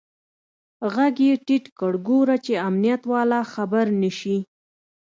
ږغ يې ټيټ کړ ګوره چې امنيت والا خبر نسي.